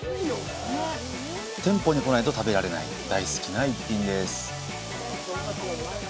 店舗に来ないと食べられない大好きな一品です。